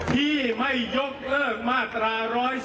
ที่ไม่ยกเลิกมาตรา๑๔